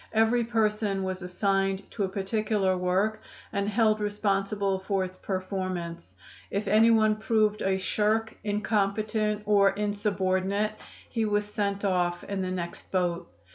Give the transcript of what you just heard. Every person was assigned to a particular work and held responsible for its performance. If anyone proved a shirk, incompetent or insubordinate, he was sent off in the next boat.